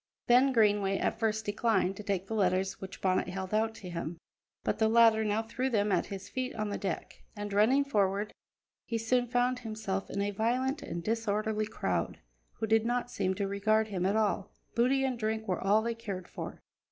Ben Greenway at first declined to take the letters which Bonnet held out to him, but the latter now threw them at his feet on the deck, and, running forward, he soon found himself in a violent and disorderly crowd, who did not seem to regard him at all; booty and drink were all they cared for.